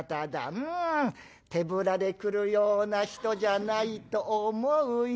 手ぶらで来るような人じゃないと思うよ。